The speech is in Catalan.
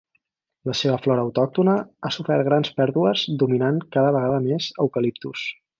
La seva flora autòctona ha sofert grans pèrdues dominant cada vegada més eucaliptus.